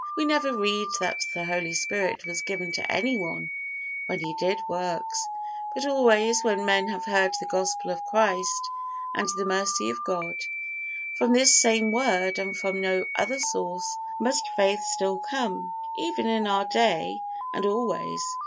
We never read that the Holy Spirit was given to any one when he did works, but always when men have heard the Gospel of Christ and the mercy of God. From this same Word and from no other source must faith still come, even in our day and always.